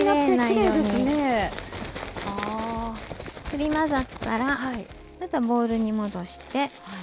振り混ざったらまたボウルに戻して。